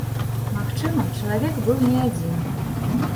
Магчыма, чалавек быў не адзін.